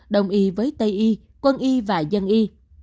đồng ý với tây y quân y và dân y